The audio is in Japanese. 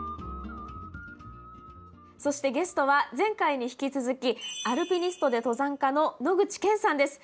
そしてゲストは前回に引き続きアルピニストで登山家の野口健さんです！